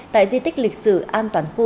tại di tích lịch sử an toàn khu